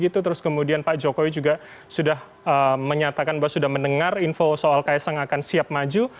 terus kemudian pak jokowi juga sudah menyatakan bahwa sudah mendengar info soal kaisang akan siap maju